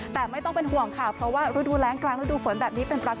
แต่ไม่ต้องเป็นห่วงค่ะเพราะว่ารูดูแรงกลางฤดูฝนแบบนี้